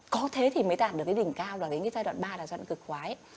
có thế thì mới tạo được cái đỉnh cao là cái giai đoạn ba là giai đoạn cực khoái